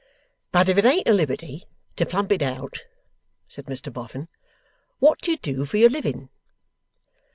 'But if it ain't a liberty to plump it out,' said Mr Boffin, 'what do you do for your living?